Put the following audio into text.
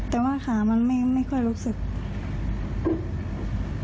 แต่ว่าขามันไม่ค่อยรู้สึก